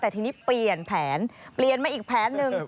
แต่ทีนี้เปลี่ยนแผนเปลี่ยนมาอีกแผนหนึ่ง